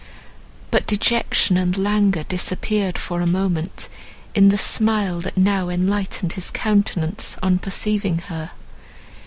But dejection and languor disappeared, for a moment, in the smile that now enlightened his countenance, on perceiving her.